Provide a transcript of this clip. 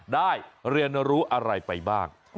ได้เรียนรู้อะไรไปบ้าง